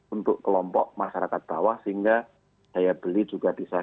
untuk kelompok masyarakat bawah sehingga daya beli juga bisa